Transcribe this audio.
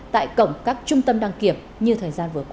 tại cổng các trung tâm đăng kiểm như thời gian vừa qua